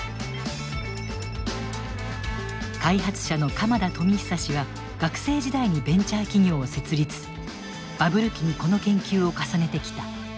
開発者の鎌田富久氏は学生時代にベンチャー企業を設立バブル期にこの研究を重ねてきた。